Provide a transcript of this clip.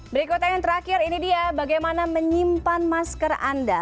berikutnya yang terakhir ini dia bagaimana menyimpan masker anda